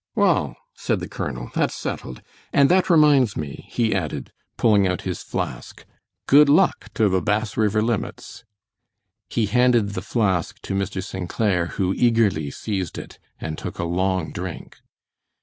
"Wall," said the colonel, "that's settled; and that reminds me," he added, pulling out his flask, "good luck to the Bass River Limits!" He handed the flask to Mr. St. Clair, who eagerly seized it and took a long drink.